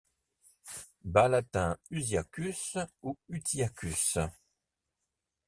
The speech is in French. Bas latin Usiacus ou Utiacus.